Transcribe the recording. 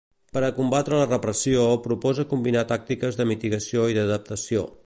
Per a combatre la repressió, proposa combinar tàctiques de mitigació i d'adaptació.